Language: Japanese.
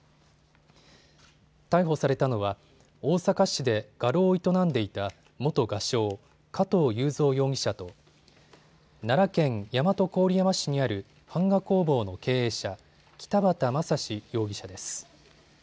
逮捕されたのは大阪市で画廊を営んでいた元画商、加藤雄三容疑者と奈良県大和郡山市にある版画工房の経営者、北畑雅史容疑者です。